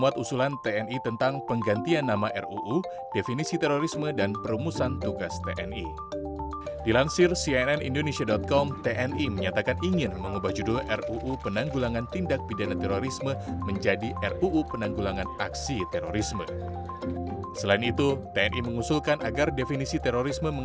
tni marsikal hadi cahyanto